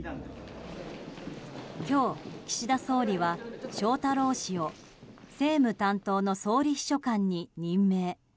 今日、岸田総理は翔太郎氏を政務担当の総理秘書官に任命。